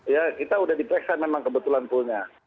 ya kita udah di pereksan memang kebetulan pool nya